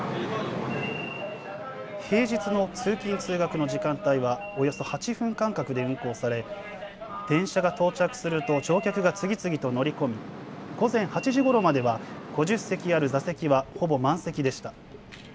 平日の通勤通学の時間帯はおよそ８分間隔で運行され電車が到着すると乗客が次々と乗り込み、午前８時ごろまでは５０席ある座席はほぼ満席でした。